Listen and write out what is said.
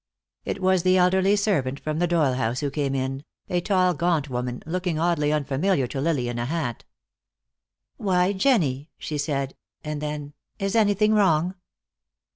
It was the elderly servant from the Doyle house who came in, a tall gaunt woman, looking oddly unfamiliar to Lily in a hat. "Why, Jennie!" she said. And then: "Is anything wrong?"